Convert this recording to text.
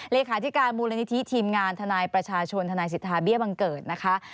เลขาธิการมูลนิธิทีมงานทนายประชาชนทนายสิทธาเบี้ยบังเกิดนะคะ